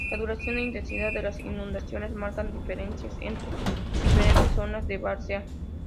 La duración e intensidad de las inundaciones marcan diferencias entre diferentes zonas de várzea.